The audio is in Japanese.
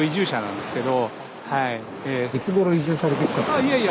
いやいや。